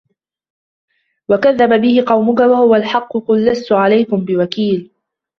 وكذب به قومك وهو الحق قل لست عليكم بوكيل